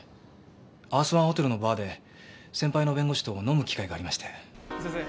アースワンホテルのバーで先輩の弁護士と飲む機会がありまして。